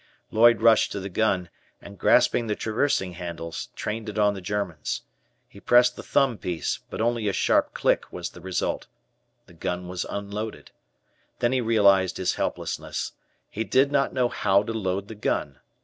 Lloyd rushed to the gun, and grasping the traversing handles, trained it, on the Germans. He pressed the thumb piece, but only a sharp click was the result. The gun was unloaded. Then he realized his helplessness. He did not know how to load the gun.